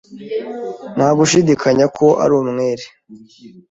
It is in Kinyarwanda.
Nta gushidikanya ko ari umwere.